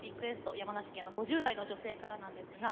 山梨県５０代の女性からです。